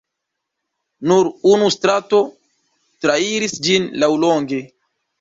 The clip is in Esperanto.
Nur unu strato trairis ĝin laŭlonge.